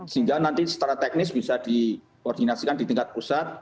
sehingga nanti secara teknis bisa dikoordinasikan di tingkat pusat